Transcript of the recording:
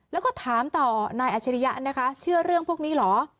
แล้วก็ถามต่อนายอาชิริยะนะคะเชื่อเรื่องพวกนี้เหรอ